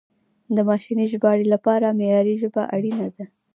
د ماشیني ژباړې لپاره معیاري ژبه اړینه ده.